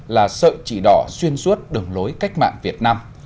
là sợi chỉ đỏ xuyên suốt đường lối cách mạng việt nam